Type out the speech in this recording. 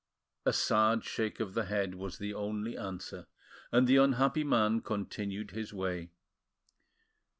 A sad shake of the head was the only answer, and the unhappy man continued his way.